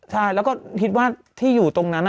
ใช่แล้วก็คิดว่าที่อยู่ตรงนั้น